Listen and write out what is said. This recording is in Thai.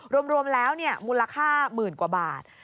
รวมแล้วมูลค่าหมื่นกว่าบาท